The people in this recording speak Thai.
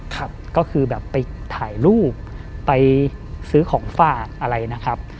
ครับก็คือแบบไปถ่ายรูปไปซื้อของฝากอะไรนะครับ